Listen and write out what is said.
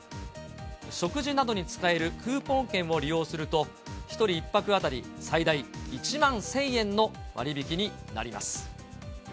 食事などに使えるクーポン券を利用すると、１人１泊当たり、最大１万１０００円の割引になります。